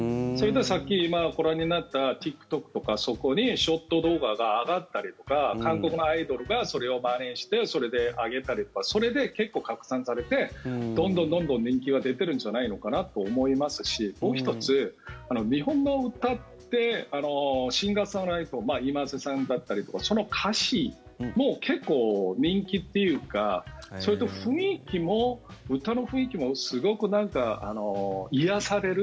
さっき、ご覧になったＴｉｋＴｏｋとかそこにショート動画が上がったりとか韓国のアイドルがそれをまねしてそれで上げたりとかそれで結構、拡散されてどんどん、どんどん人気が出てるんじゃないのかなと思いますしもう１つ、日本の歌ってシンガー・ソングライターｉｍａｓｅさんだったりとかその歌詞も結構、人気っていうかそれと歌の雰囲気もすごく癒やされる。